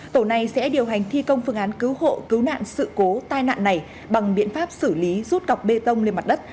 tổ này sẽ điều hành thi công phương án cứu hộ cứu nạn sự cố tai nạn này bằng biện pháp xử lý rút cọc bê tông lên mặt đất